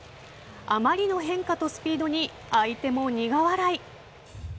あまりの変化とスピードに相手も苦笑い。